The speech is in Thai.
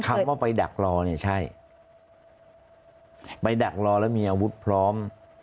คำว่าไปดักรอเนี่ยใช่ไปดักรอแล้วมีอาวุธพร้อม